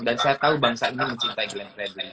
dan saya tahu bangsa ini mencintai glenn friendly